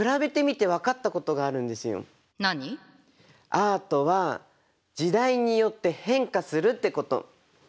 「アートは時代によって変化する」ってこと。